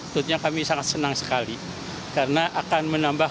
sepertinya kami sangat senang sekali karena akan menambah